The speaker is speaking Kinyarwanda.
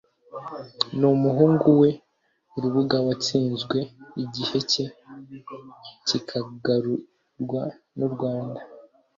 n’umuhungu we Rubuga watsinzwe igihugu cye kikagarurwa n’u Rwanda